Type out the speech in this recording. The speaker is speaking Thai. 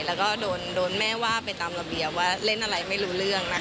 แล้วก็โดนแม่ว่าไปตามระเบียบว่าเล่นอะไรไม่รู้เรื่องนะคะ